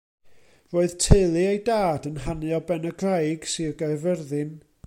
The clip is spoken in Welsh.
Roedd teulu ei dad yn hanu o Benygraig, Sir Gaerfyrddin.